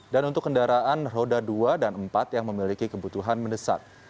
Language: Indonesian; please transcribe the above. dan untuk kendaraan roda dua dan empat yang memiliki kebutuhan mendesat